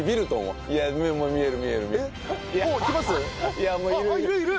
いやもういるいる。